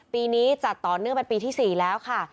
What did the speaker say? ปีนี้จัดต่อเนื่องเป็นปีที่๔แล้วค่ะ